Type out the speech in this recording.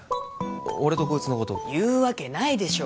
俺とこいつのこと言うわけないでしょ